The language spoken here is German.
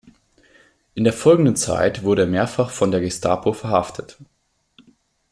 In der folgenden Zeit wurde er mehrfach von der Gestapo verhaftet.